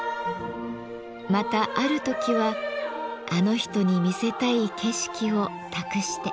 またある時は「あの人に見せたい景色」を託して。